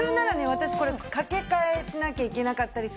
私これかけ替えしなきゃいけなかったりするんでしょ？